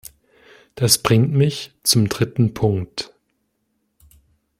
Das bringt mich zum dritten Punkt.